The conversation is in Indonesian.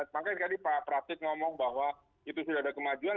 makanya tadi pak pratik ngomong bahwa itu sudah ada kemajuan